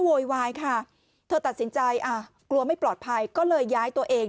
โวยวายค่ะเธอตัดสินใจอ่ะกลัวไม่ปลอดภัยก็เลยย้ายตัวเอง